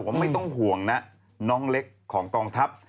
ไม่ต้องห่วงนะน้องเล็กของกองทัพ